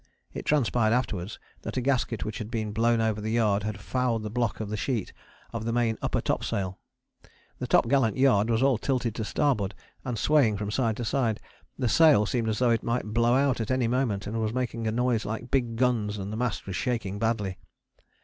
It transpired afterwards that a gasket which had been blown over the yard had fouled the block of the sheet of the main upper topsail. The topgallant yard was all tilted to starboard and swaying from side to side, the sail seemed as though it might blow out at any moment, and was making a noise like big guns, and the mast was shaking badly.